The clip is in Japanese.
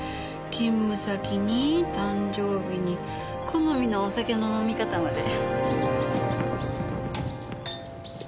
勤務先に誕生日に好みのお酒の飲み方まで。